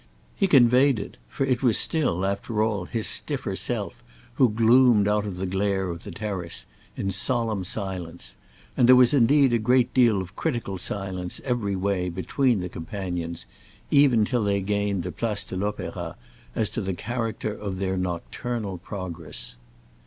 He conveyed it—for it was still, after all, his stiffer self who gloomed out of the glare of the terrace—in solemn silence; and there was indeed a great deal of critical silence, every way, between the companions, even till they gained the Place de l'Opéra, as to the character of their nocturnal progress.